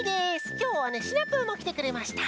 きょうはねシナプーもきてくれました。